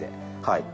はい。